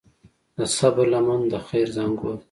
د صبر لمن د خیر زانګو ده.